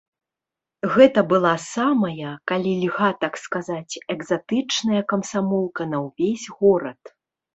Гэта была самая, калі льга так сказаць, экзатычная камсамолка на ўвесь горад.